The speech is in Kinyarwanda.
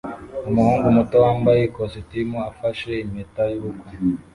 Umuhungu muto wambaye ikositimu afashe impeta y'ubukwe